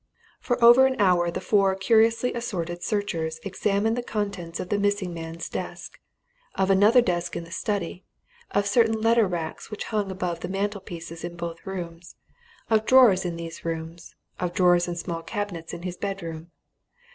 For over an hour the four curiously assorted searchers examined the contents of the missing man's desk, of another desk in the study, of certain letter racks which hung above the mantelpieces in both rooms, of drawers in these rooms, of drawers and small cabinets in his bedroom.